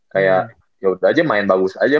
kayak yaudah aja main bagus aja